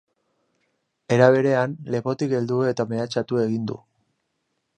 Era berean, lepotik heldu eta mehatxatu egin du.